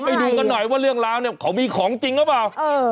ไปดูกันหน่อยว่าเรื่องราวเนี่ยเขามีของจริงหรือเปล่า